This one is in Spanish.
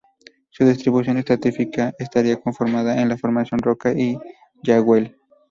Su distribución estratigráfica estaría conformada en la formación Roca y Jagüel.